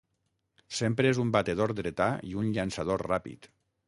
Semple és un batedor dretà i un llançador ràpid.